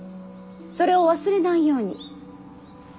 それを忘れないように。